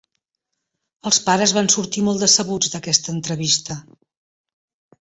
Els pares van sortir molt decebuts d'aquesta entrevista.